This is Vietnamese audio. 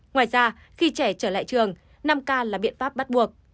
ngoài ra khi trẻ trở lại trường năm k là biện pháp bắt buộc